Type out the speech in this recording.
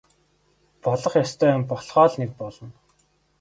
Болох ёстой юм болохоо л нэг болно.